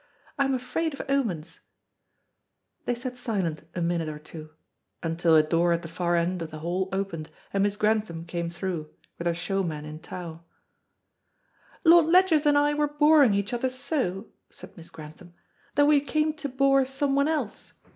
I am afraid of omens." They sat silent a minute or two, until a door at the far end of the hall opened and Miss Grantham came through, with her showman in tow. "Lord Ledgers and I were boring each other so," said Miss Grantham, "that we came to bore someone else.